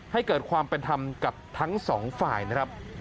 ให้เกิดความเป็นธรรมกับทั้งสองฝ่ายนะครับ